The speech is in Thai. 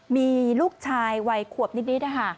มีลูกชายวัยขวบนิดนะคะ